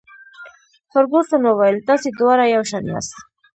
فرګوسن وویل: تاسي دواړه یو شان یاست.